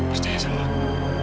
percaya sama aku